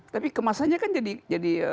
tapi kemasannya kan jadi